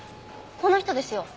この人ですよ。